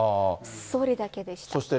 それだけでした。